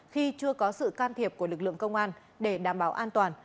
khi chưa có sự can thiệp của lực lượng công an để đảm bảo an toàn